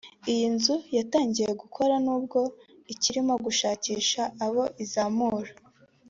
Iyi nzu yatangiye gukora n’ubwo ikirimo gushakisha abo izamura